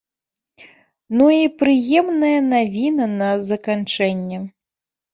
Ну і прыемная навіна на заканчэнне.